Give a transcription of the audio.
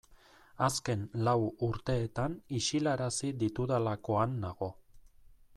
Azken lau urteetan isilarazi ditudalakoan nago.